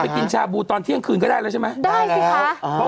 กินชาบูตอนเที่ยงคืนก็ได้แล้วใช่ไหม